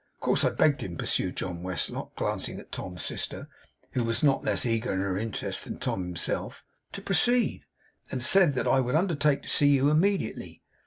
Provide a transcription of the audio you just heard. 'Of course I begged him,' pursued John Westlock, glancing at Tom's sister, who was not less eager in her interest than Tom himself, 'to proceed, and said that I would undertake to see you immediately.